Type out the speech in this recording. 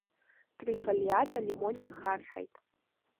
Трифолиат алимон иахарҳаит.